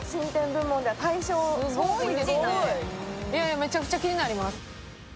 めちゃくちゃ気になります。